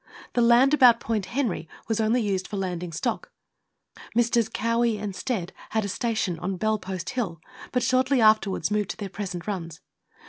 The land about Point Henry was only used for landing stock. Messrs. Cowie and Stead had a station on Bell Post Hill, but shortly afterwards moved to their present runs.